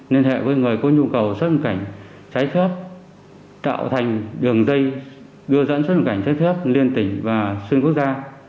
liên hệ với người có nhu cầu xuất cảnh trái phép tạo thành đường dây đưa dẫn xuất cảnh trái phép liên tỉnh và xuyên quốc gia